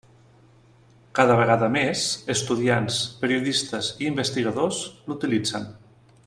Cada vegada més, estudiants, periodistes i investigadors l'utilitzen.